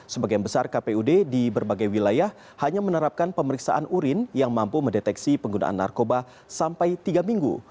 sebagian besar kpud di berbagai wilayah hanya menerapkan pemeriksaan urin yang mampu mendeteksi penggunaan narkoba sampai tiga minggu